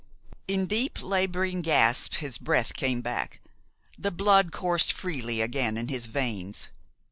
In deep, laboring gasps his breath came back. The blood coursed freely again in his veins.